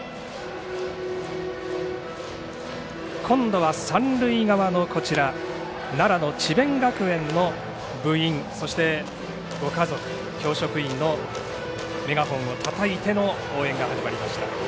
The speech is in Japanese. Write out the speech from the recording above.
今度は三塁側の奈良の智弁学園の部員そしてご家族、教職員のメガホンをたたいての応援がありました。